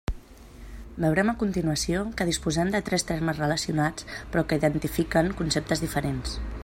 Veurem a continuació que disposem de tres termes relacionats però que identifiquen conceptes diferents.